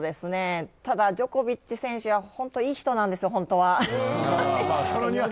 ただ、ジョコビッチ選手は本当いい人なんです、本当は。